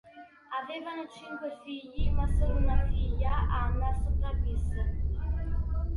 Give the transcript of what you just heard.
Avevano cinque figli, ma solo una figlia, Anna, sopravvisse.